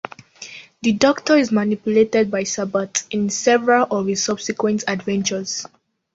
The Doctor is manipulated by Sabbath in several of his subsequent adventures.